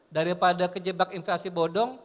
daripada kejebak inflasi bodong